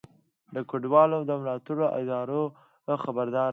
د کډوالو د ملاتړو ادارو خبرداری